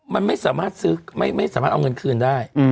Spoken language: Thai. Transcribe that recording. มันไม่สามารถซื้อไม่สามารถเอาเงินคืนได้